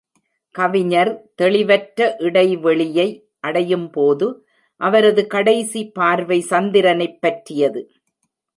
கவிஞர் "தெளிவற்ற இடைவெளியை" அடையும் போது, அவரது கடைசி பார்வை சந்திரனைப் பற்றியது.